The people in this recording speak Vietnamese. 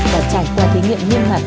và trải qua thí nghiệm nghiêm hạt